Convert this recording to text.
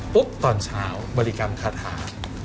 ปุ๊บตอนเช้าบริกรรมคาทา